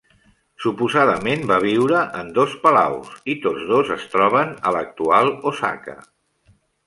Suposadament va viure en dos palaus, i tots dos es troben a l'actual Osaka.